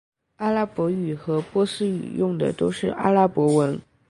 阿拉伯语和波斯语用的都是阿拉伯文。